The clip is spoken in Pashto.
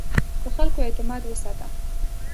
د خلکو اعتماد وساته.